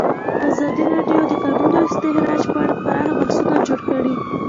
ازادي راډیو د د کانونو استخراج په اړه پراخ بحثونه جوړ کړي.